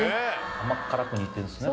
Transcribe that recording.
甘っ辛く煮てんですね